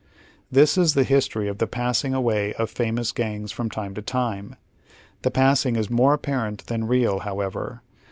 This is the history of the passing away of famous gangs from time to time. The passing is more apparent than real, however.